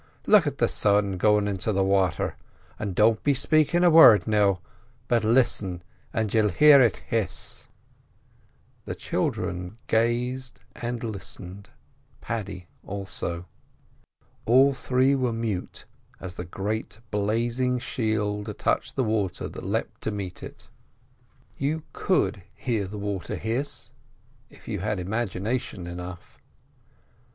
Look at the sun goin' into the wather, and don't be spakin' a word, now, but listen and you'll hear it hiss." The children gazed and listened, Paddy also. All three were mute as the great blazing shield touched the water that leapt to meet it. You could hear the water hiss—if you had imagination enough.